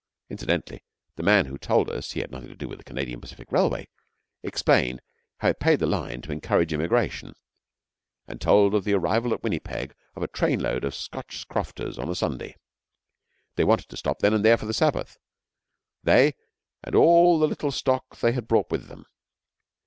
Incidentally, the man who told us he had nothing to do with the Canadian Pacific Railway explained how it paid the line to encourage immigration, and told of the arrival at Winnipeg of a train load of Scotch crofters on a Sunday. They wanted to stop then and there for the Sabbath they and all the little stock they had brought with them.